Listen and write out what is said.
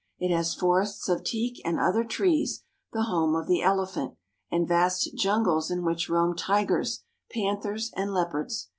It has forests of teak and other trees, the home of the elephant, and vast jungles in which roam tigers, panthers, and leopards.